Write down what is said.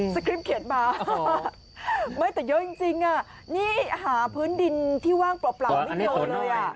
คริปเขียนมาไม่แต่เยอะจริงนี่หาพื้นดินที่ว่างเปล่าไม่เจอเลยอ่ะ